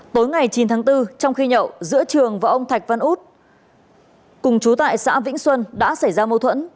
tối ngày chín tháng bốn trong khi nhậu giữa trường và ông thạch văn út cùng chú tại xã vĩnh xuân đã xảy ra mâu thuẫn